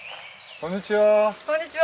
こんにちはー。